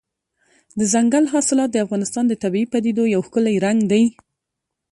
دځنګل حاصلات د افغانستان د طبیعي پدیدو یو ښکلی رنګ دی.